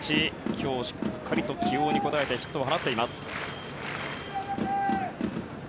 今日、しっかりと起用に応えてヒットを放っています。